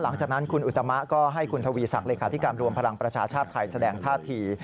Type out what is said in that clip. หลังจากนั้นคุณอุตมะก็ให้คุณทวีศักดิการรวมพลังประชาชาติไทยแสดงท่าที